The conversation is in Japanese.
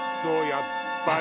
やっぱり！